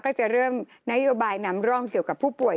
ก็จะเริ่มนโยบายนำร่องเกี่ยวกับผู้ป่วย